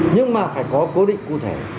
nhưng mà phải có cố định cụ thể